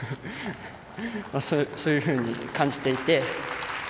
そういうふうに感じていて。